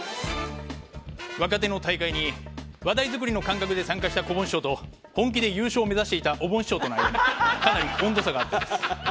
若手の大会に話題作りの感覚で参加したこぼん師匠と本気で優勝を目指していたおぼん師匠との間にかなり温度差があったようです。